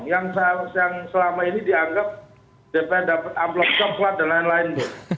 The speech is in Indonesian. yang selama ini dianggap dpr dapat amplop coklat dan lain lain